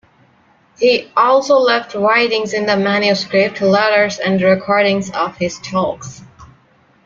He also left writings in manuscript, letters and recordings of his talks.